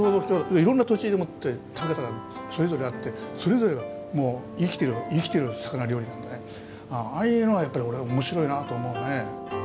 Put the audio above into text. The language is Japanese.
いろんな土地でもって食べ方がそれぞれあってそれぞれがもう生きている魚料理なんでねああいうのはやっぱり俺は面白いなと思うね。